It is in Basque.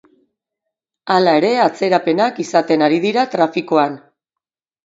Hala ere, atzerapenak izaten ari dira trafikoan.